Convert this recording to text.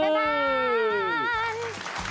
บ๊ายบายบาย